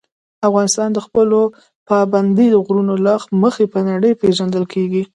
افغانستان د خپلو پابندي غرونو له مخې په نړۍ پېژندل کېږي.